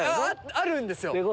あるんですよ。